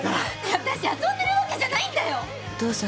私遊んでるわけじゃないんだよ！